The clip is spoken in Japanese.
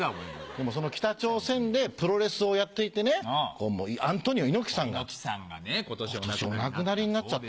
でもその北朝鮮でプロレスをやっていてねアントニオ猪木さんが今年お亡くなりになっちゃった。